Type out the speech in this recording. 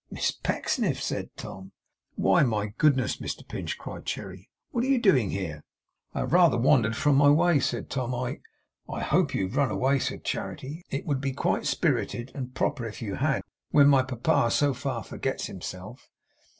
'Miss Pecksniff!' said Tom. 'Why, my goodness, Mr Pinch!' cried Cherry. 'What are you doing here?' 'I have rather wandered from my way,' said Tom. 'I ' 'I hope you have run away,' said Charity. 'It would be quite spirited and proper if you had, when my Papa so far forgets himself.